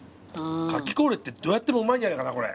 かき氷ってどうやってもうまいんじゃないかなこれ。